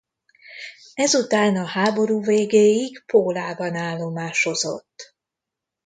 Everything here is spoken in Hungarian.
Ezután a háború végéig Pólában állomásozott.